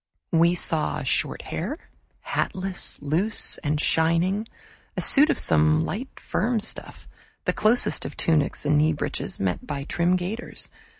We saw short hair, hatless, loose, and shining; a suit of some light firm stuff, the closest of tunics and kneebreeches, met by trim gaiters.